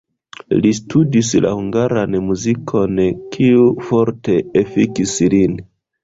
Li studis la hungaran muzikon, kiu forte efikis lin.